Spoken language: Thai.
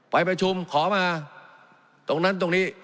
ไปประชุมขอมาตรงนั้นตรงนี้